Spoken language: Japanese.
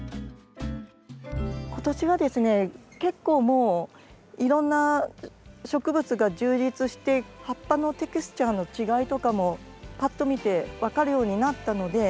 今年はですね結構もういろんな植物が充実して葉っぱのテクスチャーの違いとかもぱっと見て分かるようになったので。